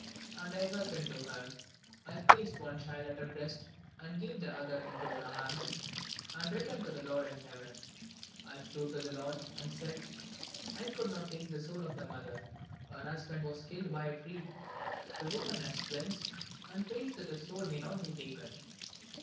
And I hearkened to her. I placed one child at her breast and gave the other into her arms, and returned to the Lord in heaven. I flew to the Lord, and said: 'I could not take the soul of the mother. Her husband was killed by a tree; the woman has twins, and prays that her soul may not be taken.